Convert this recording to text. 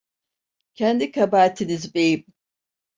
Kendi kabahatiniz, beyim.